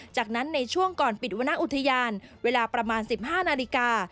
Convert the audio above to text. จากนั้นในช่วงก่อนปิดวรรณอุทยานเวลาประมาณ๑๕นาฬิกา